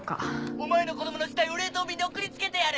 お前の子供の死体を冷凍便で送りつけてやる！